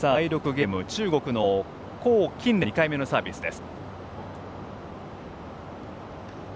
第６ゲーム、中国の黄金鏈の２回目のサービスです。